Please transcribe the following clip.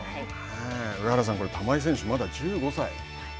上原さん、玉井選手まだ１５歳。